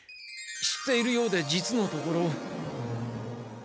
知っているようで実のところよく知らない。